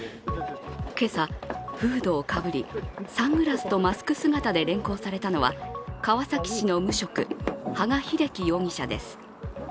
今朝、フードをかぶりサングラスとマスク姿で連行されたのは川崎市の無職、羽賀秀樹容疑者です。